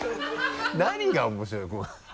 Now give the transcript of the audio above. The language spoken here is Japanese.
何が面白いの？